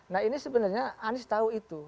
nah ini sebenarnya anies tahu itu